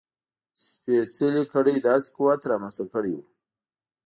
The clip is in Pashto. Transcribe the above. سپېڅلې کړۍ داسې قوت رامنځته کړی و.